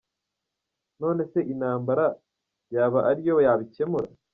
None se intambara yaba ari yo yabikemura?